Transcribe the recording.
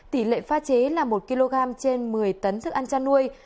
tỷ lệ pha chế là một kg trên một mươi tấn thức ăn chăn nuôi